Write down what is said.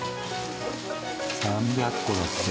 ３００個だって。